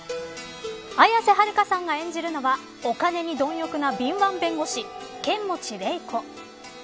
綾瀬はるかさんが演じるのはお金に貪欲な敏腕弁護士剣持麗子。